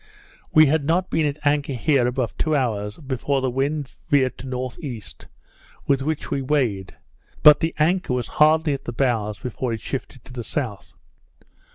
We had not been at anchor here above two hours, before the wind veered to N.E., with which we weighed; but the anchor was hardly at the bows before it shifted to the south.